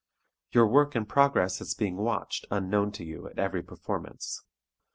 Your work and progress is being watched unknown to you at every performance.